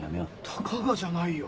「たかが」じゃないよ